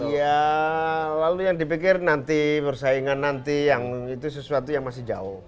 ya lalu yang dipikir nanti persaingan nanti yang itu sesuatu yang masih jauh